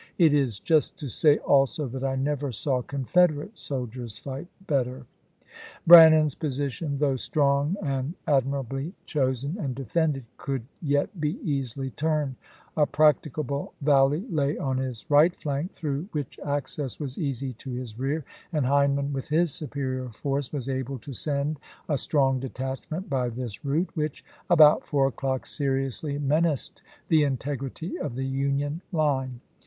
It is chap. iv. just to sav, also, that I never saw Confederate sol Longstreet, ,.^,, Report. diers fight better." voi\xx Brannan's position, though strong and admu'ably ^p.^^g^" chosen and defended, could yet be easily turned ; a practicable valley lay on his right flank through which access was easy to his rear, and Hindman with his superior force was able to send a strong detachment by this route, which about four o'clock seriously menaced the integrity of the Union line.